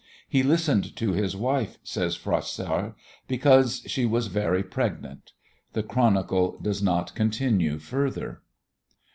"He listened to his wife," says Froissart, "because she was very pregnant." The chronicle does not continue further.